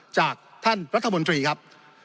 จากท่านรัฐมนตรีครับ